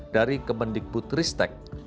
dari kebendik putristek